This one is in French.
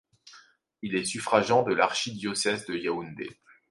Il est suffragant de l’archidiocèse de Yaoundé.